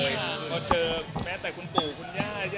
พี่ว่าเจอแม้แต่คุณปู่คุณญาติ